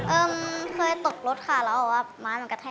เอ่อเคยตกรถค่ะแล้วเอาออกม้ามันกระแทก